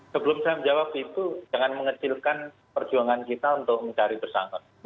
sebelum saya menjawab itu jangan mengecilkan perjuangan kita untuk mencari tersangka